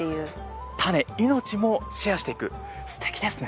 種命もシェアしていくすてきですね！